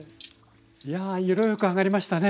いやあ色よく揚がりましたね。